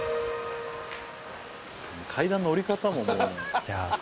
階段の下り方も。